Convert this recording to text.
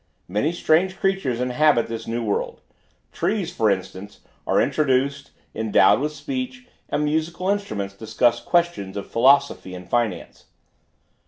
Many strange creatures inhabit this new world; trees, for instance, are introduced, endowed with speech, and musical instruments discuss questions of philosophy and finance.